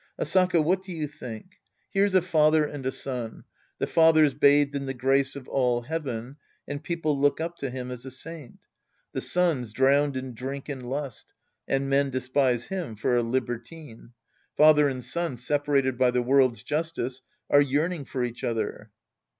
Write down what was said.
Asaka, what do you think ? Here's a father and a son. The lather's bathed in the grace of all heaven, and people look up to him as a saint. The son's drowned in drink and lust, and men despise him for a libertine. Father and son, separated by the world's justice, are yearn ing for each other.